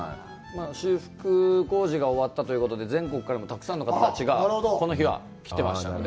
修復工事が終わったということで、全国からもたくさん方たちがこの日は来てましたので。